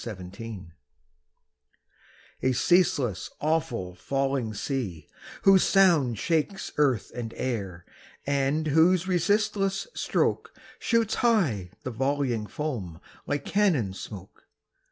NIAGARA A ceaseless, awful, falling sea, whose sound Shakes earth and air, and whose resistless stroke Shoots high the volleying foam like cannon smoke!